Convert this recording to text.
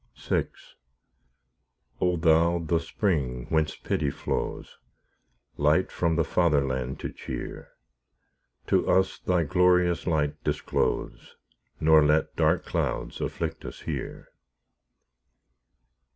VI O Thou the spring whence pity flows! Light from the Fatherland to cheer! To us Thy glorious light disclose, Nor let dark clouds afflict us here.